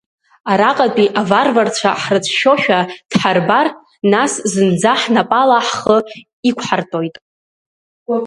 Араҟатәи аварварцәа ҳрыцәшәошәа дҳарбар, нас зынӡа ҳнапала ҳхы иқәҳартәоит!